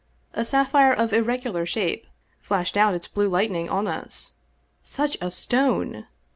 A sapphire of irregular shape flashed out its blue lightning on us. Such a stone